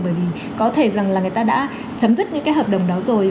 bởi vì có thể rằng là người ta đã chấm dứt những cái hợp đồng đó rồi